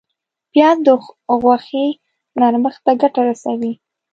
پیاز د غوښې نرمښت ته ګټه رسوي